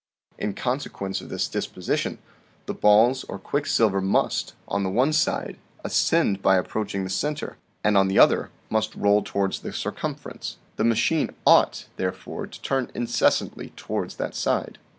In consequence of this disposition, the balls or quicksilver must, on the one side, ascend by approaching the center, and on the other 44 THE SEVEN FOLLIES OF SCIENCE must roll towards the circumference. The machine ought, therefore, to turn incessantly towards that side."